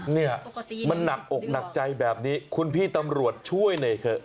เนี่ยมันหนักอกหนักใจแบบนี้คุณพี่ตำรวจช่วยหน่อยเถอะ